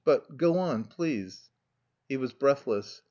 But, go on, please...." He was breathless.